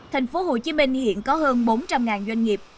tp hcm hiện có hơn bốn trăm linh doanh nghiệp